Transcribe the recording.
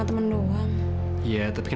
ya kan ungkira itu di sini